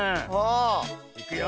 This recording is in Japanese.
いくよ。